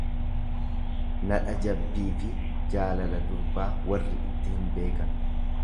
Nadha jabbiifi jaalala durbaa warri itti hin beekan.